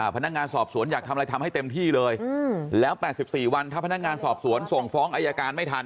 พนักงานสอบสวนอยากทำอะไรทำให้เต็มที่เลยแล้ว๘๔วันถ้าพนักงานสอบสวนส่งฟ้องอายการไม่ทัน